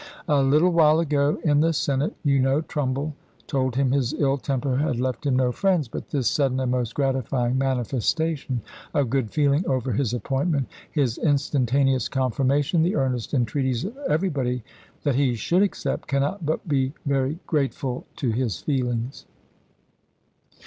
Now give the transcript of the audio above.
A little while ago in the Senate you know Trumbull told him his ill temper had left him no friends, but this sudden and most gratifying manifestation of good feeling over his appointment, his instanta neous confirmation, the earnest entreaties of every body that he should accept, cannot but be very j, Diaryl grateful to his feelings."